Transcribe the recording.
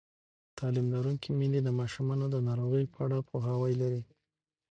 تعلیم لرونکې میندې د ماشومانو د ناروغۍ په اړه پوهاوی لري.